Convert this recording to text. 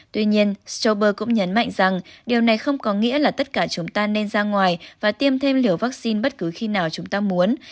tuy nhiên shober cũng nhấn mạnh rằng điều này không có nghĩa là tất cả chúng ta nên ra ngoài và tiêm thêm liều vaccine bất cứ khi nào chúng ta muốn